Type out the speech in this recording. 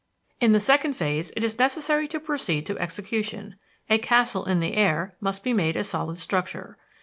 In the second phase it is necessary to proceed to execution a castle in the air must be made a solid structure.